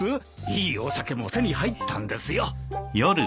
いいお酒も手に入ったんですよ。